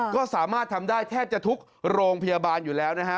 ก็สามารถทำได้แทบจะทุกโรงพยาบาลอยู่แล้วนะฮะ